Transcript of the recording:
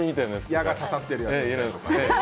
矢が刺さっているやつとかね。